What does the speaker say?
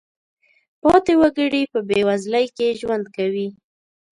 پاتې وګړي په بېوزلۍ کې ژوند کوي.